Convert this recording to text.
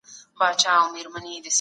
د تعليم حق له چا مه غصب کوئ.